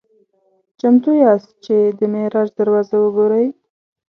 "چمتو یاست چې د معراج دروازه وګورئ؟"